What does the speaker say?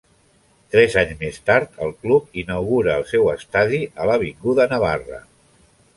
Tres anys més tard, el club inaugura el seu estadi a l'Avinguda Navarra.